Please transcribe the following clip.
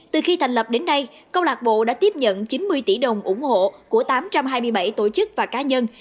từ khi thành lập đến nay câu lạc bộ đã tiếp nhận chín mươi tỷ đồng ủng hộ của tám trăm hai mươi bảy tổ chức và cá nhân